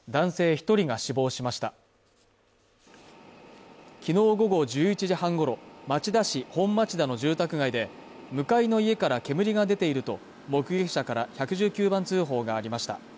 一人が死亡しました昨日午後１１時半ごろ町田市本町田の住宅街で向かいの家から煙が出ていると目撃者から１１９番通報がありました